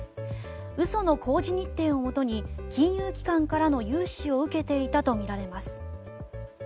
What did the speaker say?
嘘の工事日程をもとに金融機関からの融資を受けていたとみられます。